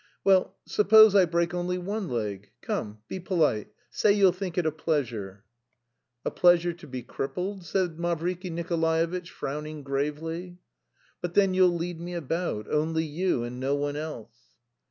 Well, suppose I break only one leg. Come, be polite, say you'll think it a pleasure." "A pleasure to be crippled?" said Mavriky Nikolaevitch, frowning gravely. "But then you'll lead me about, only you and no one else."